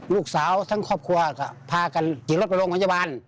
ลูกสาวทั้งครอบครัวก็พากันขี่รถไปโรงพยาบาล